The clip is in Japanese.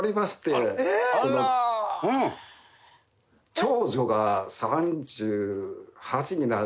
長女が３８になるので。